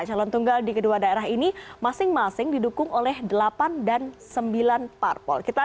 calon tunggal di kedua daerah ini masing masing didukung oleh delapan dan sembilan parpol